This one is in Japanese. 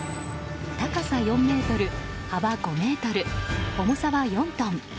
高さ４ｍ、幅５ｍ、重さは４トン。